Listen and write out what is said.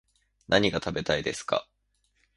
何が食べたいですか